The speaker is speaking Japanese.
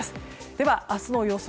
では明日の予想